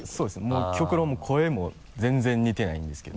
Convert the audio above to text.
もう極論声も全然似てないんですけど。